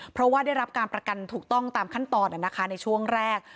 เพราะว่าได้รับการประกันถูกต้องตามขั้นตอนในช่วงแรก